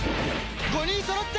５人そろって。